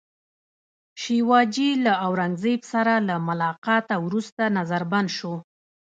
شیوا جي له اورنګزېب سره له ملاقاته وروسته نظربند شو.